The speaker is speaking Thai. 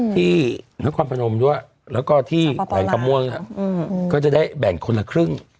ที่นครพนมด้วยแล้วก็ที่แขวงคำม่วงก็จะได้แบ่งคนละครึ่ง